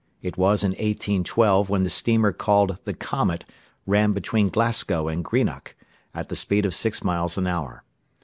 It was in 1812 when the steamer called the Comet ran between Glasgow and Greenock, at the speed of six miles an hour.